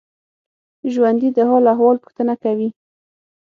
ژوندي د حال احوال پوښتنه کوي